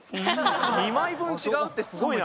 ２枚分違うってすごいな。